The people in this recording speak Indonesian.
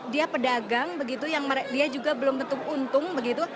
dia pedagang begitu yang dia juga belum tentu untung begitu